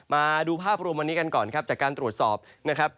มาดูภาพรวมวันนี้กันก่อนครับจากการตรวจสอบนะครับ